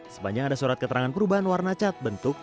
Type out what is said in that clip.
sepanjang ada surat keterangan perubahan warna cat bentuk